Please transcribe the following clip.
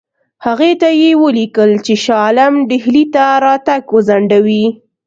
هغې ته یې ولیکل چې شاه عالم ډهلي ته راتګ وځنډوي.